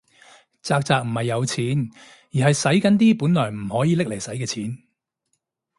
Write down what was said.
宅宅唔係有錢，而係洗緊啲本來唔可以拎嚟洗嘅錢